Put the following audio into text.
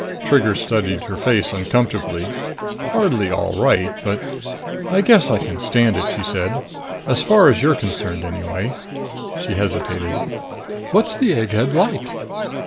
Trigger studied her face uncomfortably. Hardly all right, but.... "I guess I can stand it," she said. "As far as you're concerned, anyway." She hesitated. "What's the egghead like?"